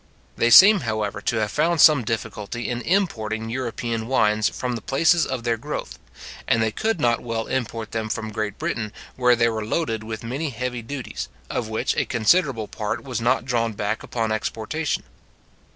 They seem, however, to have found some difficulty in importing European wines from the places of their growth; and they could not well import them from Great Britain, where they were loaded with many heavy duties, of which a considerable part was not drawn back upon exportation.